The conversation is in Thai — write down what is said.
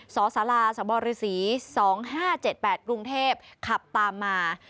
สศ๒๕๗๘กรุงเทพฯขับตามมา